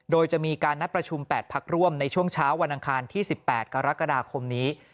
โดยจะมีการนัดประชุม๘พักร่วมในช่วงเช้าวันอังคารที่๑๘กรกฎาคมนี้